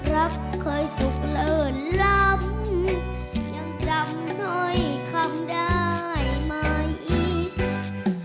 รักเคยสุขเลิ่นล้ำยังจำห้อยคำได้ไหมอีก